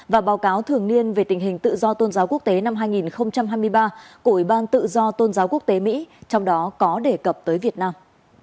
và báo cáo thường niên về tình hình tự do tôn giáo quốc tế năm hai nghìn hai mươi ba của ủy ban tự do tôn giáo quốc tế mỹ trong đó có đề cập tới việt nam